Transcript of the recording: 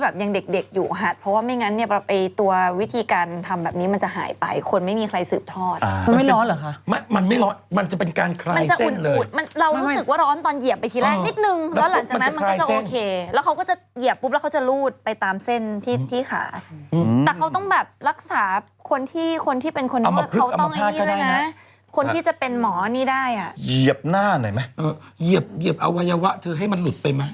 เพื่อประทานพรให้ให้โฉกให้ราบกับคนในหมู่บ้าน